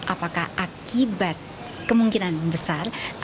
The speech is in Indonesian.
apakah akibat kemungkinan bersih